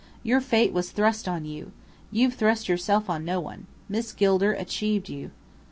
Your fate was thrust on you. You've thrust yourself on no one. Miss Gilder 'achieved' you."